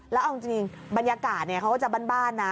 แล้วเอาจริงบรรยากาศเขาก็จะบ้านนะ